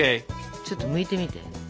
ちょっとむいてみて。